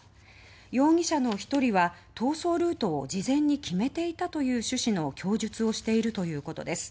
容疑者の１人は逃走ルートを事前に決めていたという趣旨の供述をしているということです。